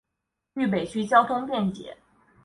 渝北区交通便捷。